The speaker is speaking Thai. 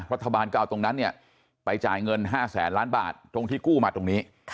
รัฐบาลก็เอาตรงนั้นเนี่ยไปจ่ายเงิน๕แสนล้านบาทตรงที่กู้มาตรงนี้